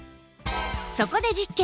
そこで実験！